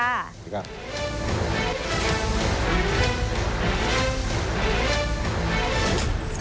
สวัสดีครับ